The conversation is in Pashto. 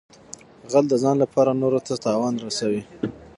غل د ځان لپاره نورو ته تاوان رسوي